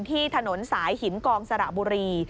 ที่ถนนสายหินกองสระบุรี